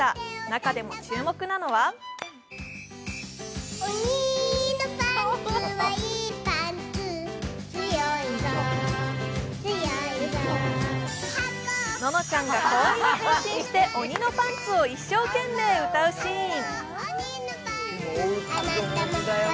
中でも注目なのはののちゃんが小鬼に変身して、「おにのパンツ」を一生懸命歌うシーン。